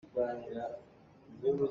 Ka chaiza a reng tuk.